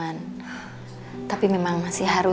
jangan sampai gue berpenunggu aja gue kerja sama lu